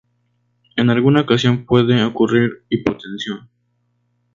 En alguna ocasión puede ocurrir hipotensión.